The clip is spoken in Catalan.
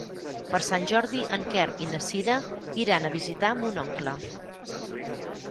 Per Sant Jordi en Quer i na Cira iran a visitar mon oncle.